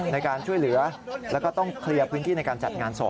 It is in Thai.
ในการช่วยเหลือแล้วก็ต้องเคลียร์พื้นที่ในการจัดงานศพ